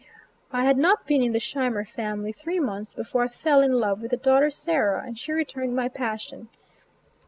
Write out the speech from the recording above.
I had not been in the Scheimer family three months before I fell in love with the daughter Sarah and she returned my passion.